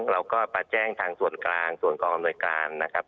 เราก็มาแจ้งทางส่วนกลางส่วนกองอำนวยการนะครับ